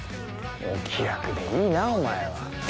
お気楽でいいなお前は。